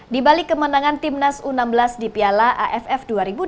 di balik kemenangan timnas u enam belas di piala aff dua ribu delapan belas